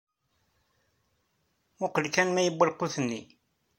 Muqel kan ma yewwa lqut-nni?